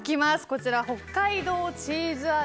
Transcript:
こちら北海道チーズ味。